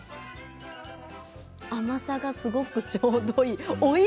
甘さがすごくちょうどいい。